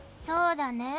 そうだね。